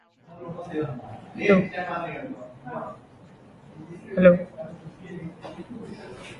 I would appreciate if you could inform me as soon as possible.